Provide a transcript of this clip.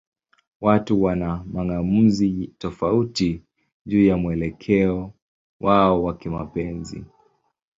Watu wana mang'amuzi tofauti juu ya mwelekeo wao wa kimapenzi.